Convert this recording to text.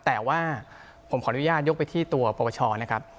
แต่ว่าผมขออนุญาตยกไปที่ตัวปปชนะครับ